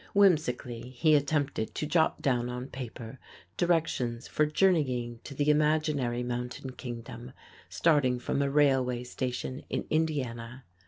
Whimsically he attempted to jot down on paper directions for journeying to the imaginary mountain kingdom, starting from a railway station in Indiana.